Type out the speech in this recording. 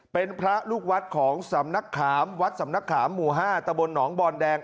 เป็นพระลูกวัดของสำนักขามวัดสำนักขามหมู่๕ตะบนหนองบอนแดง